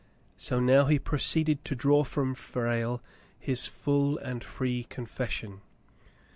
So now he proceeded to draw from Frale his full and free confession.